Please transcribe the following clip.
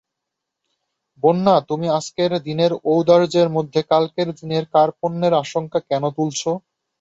বন্যা, তুমি আজকের দিনের ঔদার্যের মধ্যে কালকের দিনের কার্পণ্যের আশঙ্কা কেন তুলছ।